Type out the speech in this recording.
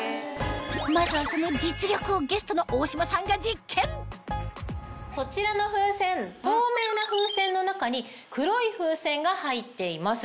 まずはその実力をゲストの大島さんがそちらの風船透明な風船の中に黒い風船が入っています。